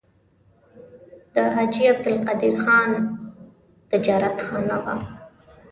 د حاجي عبدالقدیر خان تجارتخانه وه.